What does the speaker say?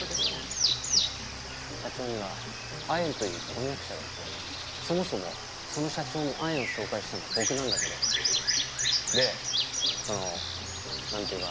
社長にはアエンという婚約者がいてそもそもその社長にアエンを紹介したのは僕なんだけどでその何て言うか。